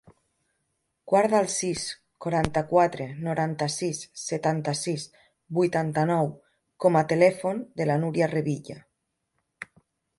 Guarda el sis, quaranta-quatre, noranta-sis, setanta-sis, vuitanta-nou com a telèfon de la Núria Revilla.